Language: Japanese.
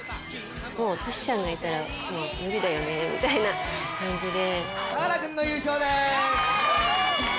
もうトシちゃんがいたら無理だよねみたいな感じで。